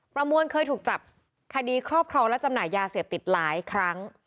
ประมวลเคยถูกจับคดีครอบครองและจำหน่ายยาเสพติดหลายครั้ง